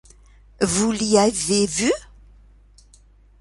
Vous l’y avez vu ?…